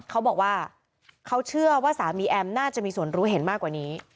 เขาบอกว่าเขาเชื่อว่าสามีแอมน่าจะมีส่วนรู้เห็นมากกว่านี้